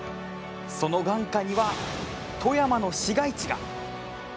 その眼下には富山の市街地が。